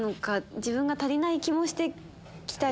自分が足りない気もしてきたり。